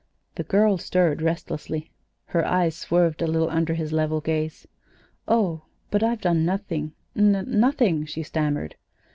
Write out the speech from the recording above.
The girl stirred restlessly. Her eyes swerved a little under his level gaze. "Oh, but I've done nothing n nothing," she stammered.